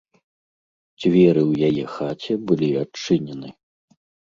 Дзверы ў яе хаце былі адчынены.